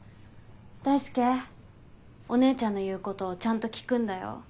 大輔お姉ちゃんの言うことちゃんと聞くんだよ。